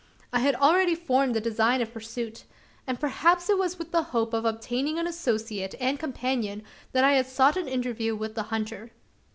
I had already formed the design of pursuit; and perhaps it was with the hope of obtaining an associate and companion, that I had sought an interview with the hunter.